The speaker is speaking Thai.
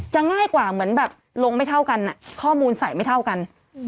ง่ายกว่าเหมือนแบบลงไม่เท่ากันข้อมูลใส่ไม่เท่ากัน